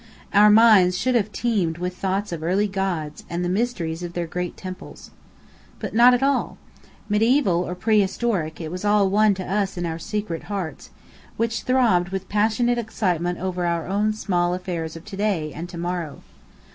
Our minds should have teemed with thoughts of early gods, and the mysteries of their great temples. But not at all. Medieval or prehistoric, it was all one to us in our secret hearts, which throbbed with passionate excitement over our own small affairs of to day, and to morrow.